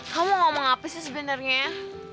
kamu ngomong apa sih sebenernya